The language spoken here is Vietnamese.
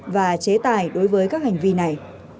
và chế tài đối với các hành vi này